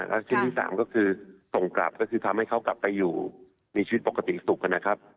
แล้วชิ้นที่๓ก็คือส่งกลับก็คือทำให้เขากลับไปอยู่มีชีวิตปกติสุขนะครับ